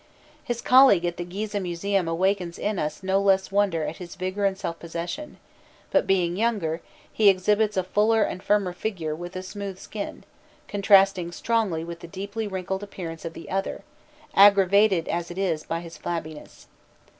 His colleague at the Gîzeh Museum awakens in us no less wonder at his vigour and self possession; but, being younger, he exhibits a fuller and firmer figure with a smooth skin, contrasting strongly with the deeply wrinkled appearance of the other, aggravated as it is by his flabbiness.